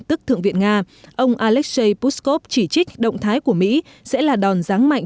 tức thượng viện nga ông alexei puskov chỉ trích động thái của mỹ sẽ là đòn ráng mạnh